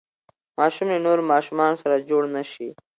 ماشوم له نورو ماشومانو سره جوړ نه شي.